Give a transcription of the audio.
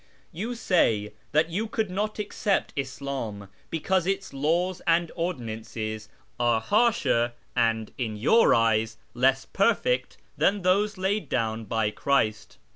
You say that you could not accept Ishim because its laws and ordinances are harsher, and, in your eyes, less perfect than those laid down by Christ.